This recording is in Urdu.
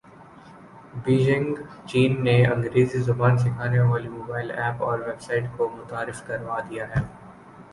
بیجنگ چین نے انگریزی زبان سکھانے والی موبائل ایپ اور ویب سایٹ کو متعارف کروا دیا ہے